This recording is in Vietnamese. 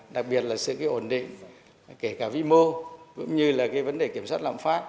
đặc biệt là sự ổn định kể cả vĩ mô cũng như vấn đề kiểm soát lạm phát